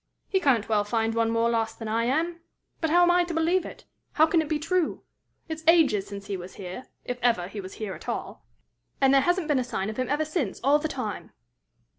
"He can't well find one more lost than I am! But how am I to believe it? How can it be true? It's ages since he was here, if ever he was at all, and there hasn't been a sign of him ever since, all the time!"